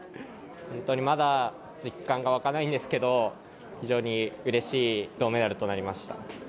本当にまだ実感が湧かないんですけど、非常にうれしい銅メダルとなりました。